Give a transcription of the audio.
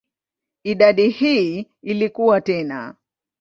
Idadi hii ilikua tena.